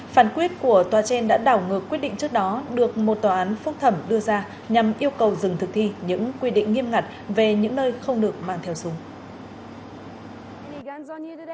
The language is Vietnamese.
phán quyết của tòa trên đã đảo ngược quyết định trước đó được một tòa án phúc thẩm đưa ra nhằm yêu cầu dừng thực thi những quy định nghiêm ngặt về những nơi không được mang theo súng